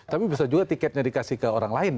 tapi bisa juga tiketnya dikasih ke orang lain